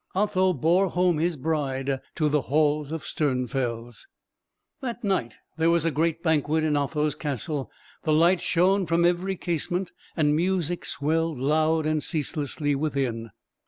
Otho bore home his bride to the hall of Sternfels. That night there was a great banquet in Otho's castle; the lights shown from every casement, and music swelled loud and ceaselessly within.